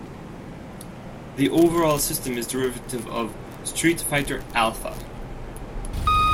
The overall system is derivative of "Street Fighter Alpha".